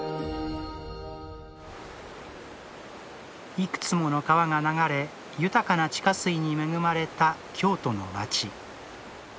いくつもの川が流れ豊かな地下水に恵まれた京都のまち。